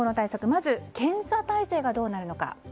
まず検査体制がどうなるのか。